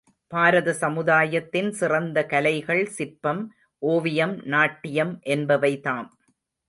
பாரத சமுதாயத்தின் சிறந்த கலைகள் சிற்பம், ஓவியம், நாட்டியம் என்பவைதாம்.